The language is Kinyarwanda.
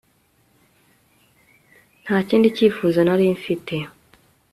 Nta kindi cyifuzo nari mfite